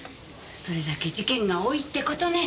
それだけ事件が多いって事ね。